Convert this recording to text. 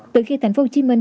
từ khi thành phố hồ chí minh